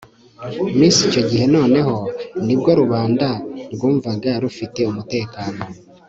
minsi icyo gihe noneho ni bwo rubanda rwumvaga rufite umutekano